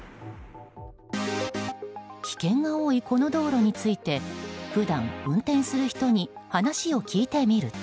危険が多いこの道路について普段運転する人に話を聞いてみると。